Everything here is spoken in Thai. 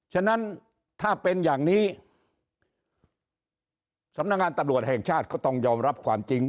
ฉะนั้นถ้าเป็นอย่างนี้สำนักงานตำรวจแห่งชาติก็ต้องยอมรับความจริง